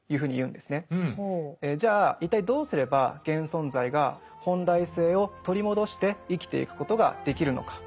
じゃあ一体どうすれば現存在が本来性を取り戻して生きていくことができるのか。